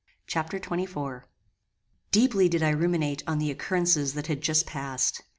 Chapter XXIV "Deeply did I ruminate on the occurrences that had just passed.